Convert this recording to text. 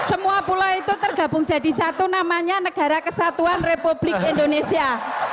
semua pulau itu tergabung jadi satu namanya negara kesatuan republik indonesia